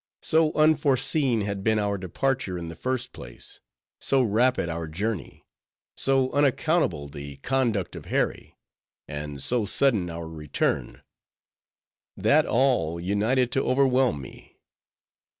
So unforeseen had been our departure in the first place; so rapid our journey; so unaccountable the conduct of Harry; and so sudden our return; that all united to overwhelm me.